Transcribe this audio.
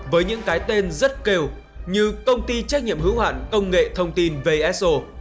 với những cái tên rất kêu như công ty trách nhiệm hữu hạn công nghệ thông tin vso